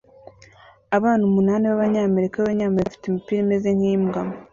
Abana umunani b'Abanyamerika b'Abanyamerika bafite imipira imeze nk'imbwa